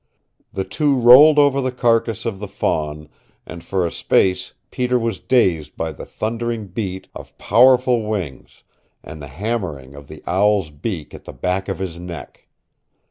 The two rolled over the carcass of the fawn, and for a space Peter was dazed by the thundering beat of powerful wings, and the hammering of the owl's beak at the back of his neck.